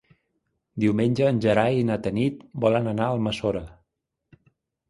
Diumenge en Gerai i na Tanit volen anar a Almassora.